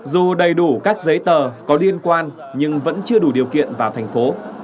dù đầy đủ các giấy tờ có liên quan nhưng vẫn chưa đủ điều kiện vào thành phố